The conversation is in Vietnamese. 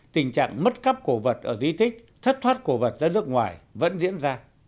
tình trạng mất cắp cổ vật ở di tích thất thoát cổ vật ra nước ngoài vẫn diễn ra